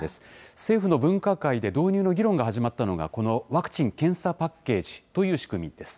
政府の分科会で導入の議論が始まったのが、この、ワクチン・検査パッケージという仕組みです。